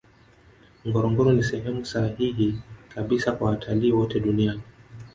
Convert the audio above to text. ngorongoro ni sehemu sahihi kabisa kwa watalii wote dunian